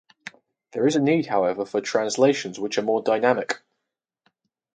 There is a need, however, for translations which are more dynamic